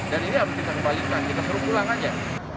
dan ini harus kita kembalikan ini keseru pulang aja